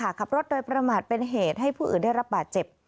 ขับรถโดยประมาทเป็นเหตุให้ผู้อื่นได้รับบาดเจ็บ